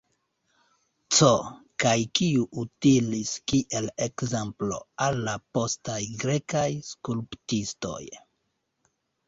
C. Kaj kiu utilis kiel ekzemplo al la postaj grekaj skulptistoj.